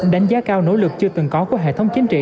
đánh giá cao nỗ lực chưa từng có của hệ thống chính trị